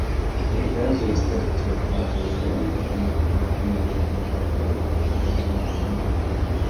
Pegazo estas ĉevalo kun flugiloj de la greka mitologio.